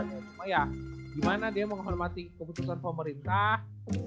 cuma ya gimana dia menghormati keputusan pemerintah